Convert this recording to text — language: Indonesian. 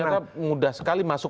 ternyata mudah sekali masuk